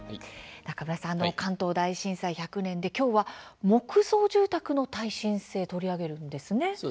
中村さん関東大震災１００年で今日は木造住宅の耐震性を取り上げるんですね。